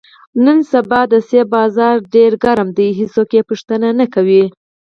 نن سبا د مڼې بازار ډېر سوړ دی، هېڅوک یې پوښتنه نه کوي.